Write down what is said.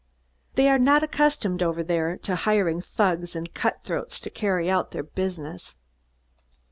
They are not accustomed over there to hiring thugs and cutthroats to carry on their business."